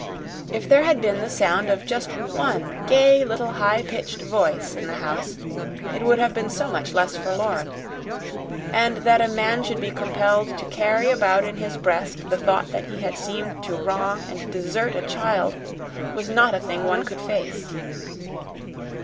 If there had been the sound of just one gay little high pitched voice in the house, it would have been so much less forlorn. And that a man should be compelled to carry about in his breast the thought that he had seemed to wrong and desert a child was not a thing one could face.